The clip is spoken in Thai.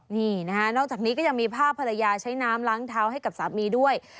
นี่นะคะนอกจากนี้ก็ยังมีภาพภรรยาใช้น้ำล้างเท้าให้กับสามีด้วย